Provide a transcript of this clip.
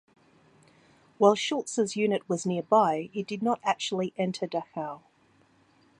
While Schulz's unit was nearby, it did not actually enter Dachau.